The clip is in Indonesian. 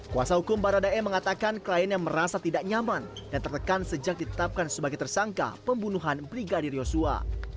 kuasa hukum baradae mengatakan kliennya merasa tidak nyaman dan tertekan sejak ditetapkan sebagai tersangka pembunuhan brigadir yosua